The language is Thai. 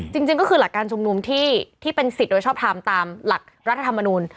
จริงก็คือหลักการชุมนุมที่เป็นสิทธิ์โดยชอบทำตามหลักรัฐธรรมนูล